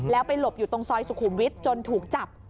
แล้วไปหลบอยู่ตรงซอยสุขุมวิทย์จนถูกจับ